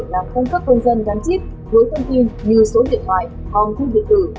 làm thông cấp công dân đáng chít với thông tin như số điện thoại hòn khúc điện tử